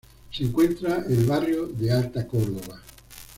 Se encuentra el barrio de Alta Córdoba.